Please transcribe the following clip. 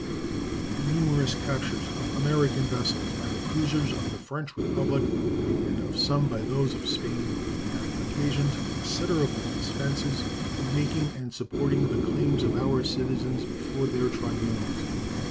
The numerous captures of American vessels by the cruisers of the French Republic and of some by those of Spain have occasioned considerable expenses in making and supporting the claims of our citizens before their tribunals.